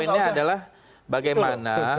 poinnya adalah bagaimana